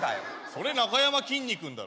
それなかやまきんに君だろ。